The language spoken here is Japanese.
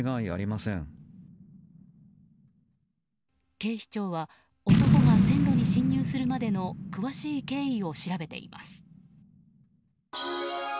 警視庁は男が線路に侵入するまでの詳しい経緯を調べています。